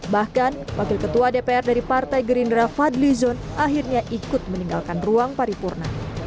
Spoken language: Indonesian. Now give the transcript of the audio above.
bahkan wakil ketua dpr dari partai gerindra fadli zon akhirnya ikut meninggalkan ruang paripurna